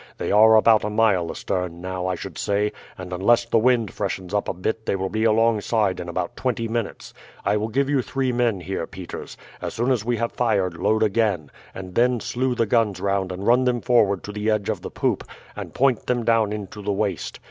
They are about a mile astern now, I should say, and unless the wind freshens up a bit they will be alongside in about twenty minutes. I will give you three men here, Peters. As soon as we have fired load again, and then slew the guns round and run them forward to the edge of the poop, and point them down into the waist.